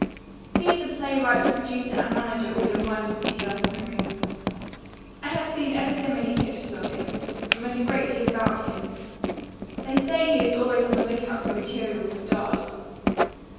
"He is a playwright, producer and manager all in one, isn't he?" asked Miriam. "I have seen ever so many pictures of him, and read a great deal about him. They say he is always on the lookout for material for stars."